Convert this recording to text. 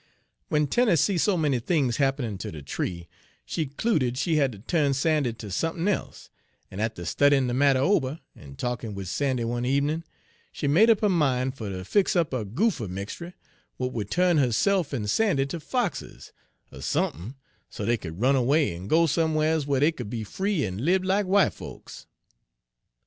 "W'en Tenie see so many things happenin' ter de tree, she 'cluded she'd ha' ter turn Sandy ter sump'n e'se; en atter studyin' de matter ober, en talkin' wid Sandy one ebenin', she made up her mine fer ter fix up a goopher mixtry w'at would turn herse'f en Sandy ter foxes, er sump'n, so dey could run away en go some'rs whar dey could be free en lib lack w'ite folks.